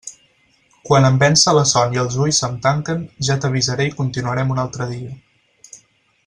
Quan em vença la son i els ulls se'm tanquen, ja t'avisaré i continuarem un altre dia.